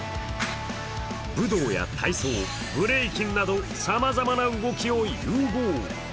武道や体操、ブレイキンなどさまざまな動きを融合。